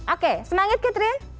oke semangat katrin